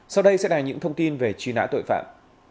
sau đây sẽ là những thông tin về truy nã tội phạm